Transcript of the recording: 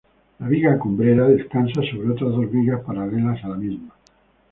La viga cumbrera, descansa sobre otras dos vigas paralelas a la misma.